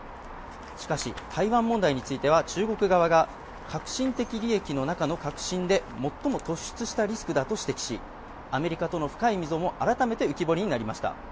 しかし、台湾問題については中国側が核心的利益の中の核心で最も突出したリスクだと指摘し、アメリカとの深い溝も改めて浮き彫りになりました。